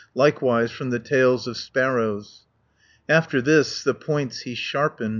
Likewise from the tails of sparrows. After this, the points he sharpened.